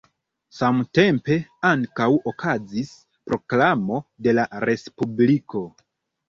Samtempe ankaŭ okazis proklamo de la respubliko.